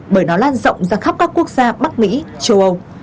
bởi nó lan rộng ra khắp các quốc gia bắc mỹ châu âu